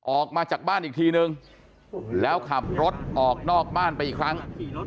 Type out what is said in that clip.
ออกมาจากบ้านอีกทีนึงแล้วขับรถออกนอกบ้านไปอีกครั้ง